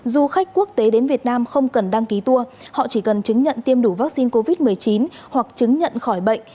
du khách quốc tế đến việt nam không cần đăng ký tour họ chỉ cần chứng nhận tiêm đủ vaccine covid một mươi chín hoặc chứng nhận khỏi bệnh